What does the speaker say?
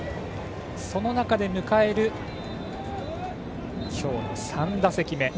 その中で迎える今日の３打席目。